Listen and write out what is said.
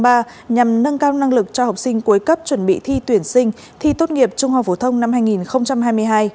nhằm nâng cao năng lực cho học sinh cuối cấp chuẩn bị thi tuyển sinh thi tốt nghiệp trung học phổ thông năm hai nghìn hai mươi hai